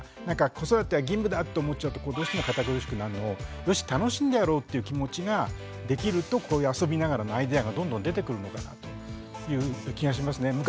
なんか子育ては義務だって思っちゃうとどうしても堅苦しくなるのをよし楽しんでやろうっていう気持ちができるとこういう遊びながらのアイデアがどんどん出てくるのかなという気がしますね。